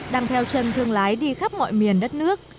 đang theo chân thương lái đi khắp mọi miền đất nước